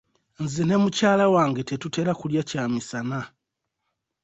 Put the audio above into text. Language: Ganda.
Nze ne mukyala wange tetutera kulya kyamisana.